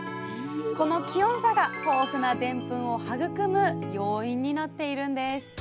この気温差が豊富なでんぷんを育む要因になっているんです